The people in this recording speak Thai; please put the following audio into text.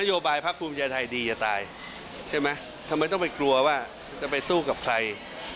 โยบายพักภูมิใจไทยดีจะตายใช่ไหมทำไมต้องไปกลัวว่าจะไปสู้กับใคร